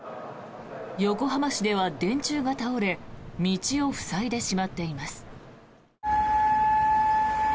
横浜市では電柱が倒れ道を塞いでしまっています。